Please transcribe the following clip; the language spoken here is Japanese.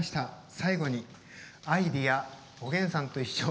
最後に「アイデア」「おげんさんといっしょ」